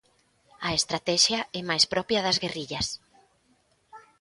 A estratexia é máis propia das guerrillas.